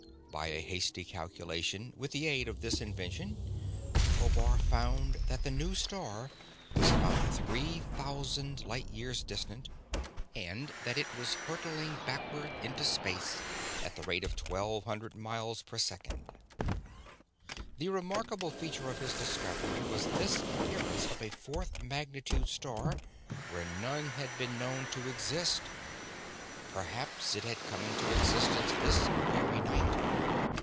By a hasty calculation with the aid of this invention, Phobar found that the new star was about three thousand light years distant, and that it was hurtling backward into space at the rate of twelve hundred miles per second. The remarkable feature of his discovery was this appearance of a fourth magnitude star where none had been known to exist. Perhaps it had come into existence this very night.